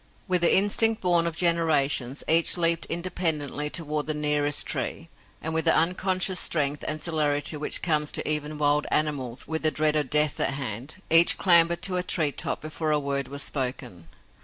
With the instinct born of generations, each leaped independently toward the nearest tree, and, with the unconscious strength and celerity which comes to even wild animals with the dread of death at hand, each clambered to a treetop before a word was spoken.